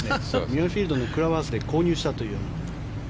ミュアフィールドのクラブハウスで購入したという。